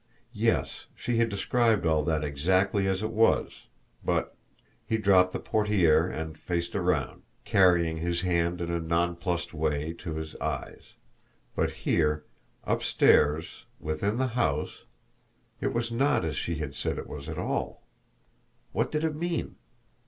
Yes, she had described all that exactly as it was, but he dropped the portiere and faced around, carrying his hand in a nonplused way to his eyes but here, upstairs, within the house, it was not as she had said it was at all! What did it mean?